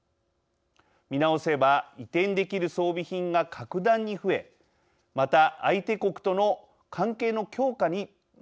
見直せば移転できる装備品が格段に増えまた相手国との関係の強化にもつながる可能性があります。